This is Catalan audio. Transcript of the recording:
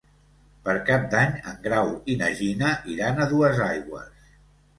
Per Cap d'Any en Grau i na Gina iran a Duesaigües.